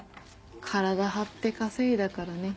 体張って稼いだからね。